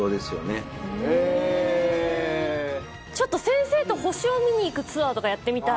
先生と星を見に行くツアーとかやってみたい。